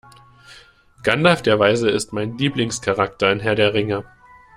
Gandalf der Weise ist mein Lieblingscharakter in Herr der Ringe.